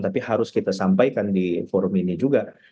tapi harus kita sampaikan di forum ini juga